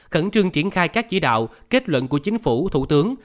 khẩn trương triển khai các chỉ đạo kết luận của chính phủ thủ tướng